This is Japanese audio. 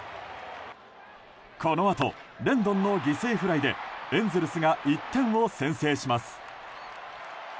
このあとレンドンの犠牲フライでエンゼルスが１点を先制します。